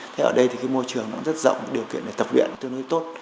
thế ở đây thì cái môi trường nó rất rộng điều kiện để tập viện tương đối tốt